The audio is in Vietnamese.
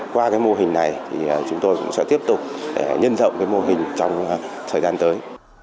qua mô hình này chúng tôi sẽ tiếp tục nhân rộng mô hình trong thời gian tới